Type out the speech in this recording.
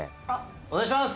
お願いします。